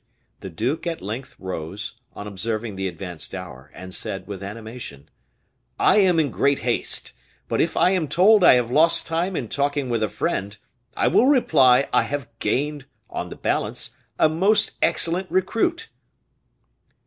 The duke at length rose, on observing the advanced hour, and said, with animation, "I am in great haste, but if I am told I have lost time in talking with a friend, I will reply I have gained on the balance a most excellent recruit."